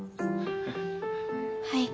はい。